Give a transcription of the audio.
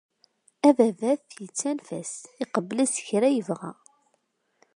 Ababat yettanef-as iqebbel-as kra yebɣa.